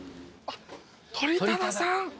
鳥忠さん。